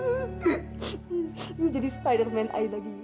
ayu jadi spiderman ayu lagi ayu